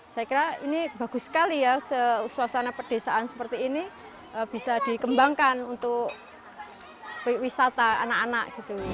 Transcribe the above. saya kira ini bagus sekali ya suasana pedesaan seperti ini bisa dikembangkan untuk wisata anak anak gitu